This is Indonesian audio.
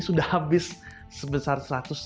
sudah habis sebesar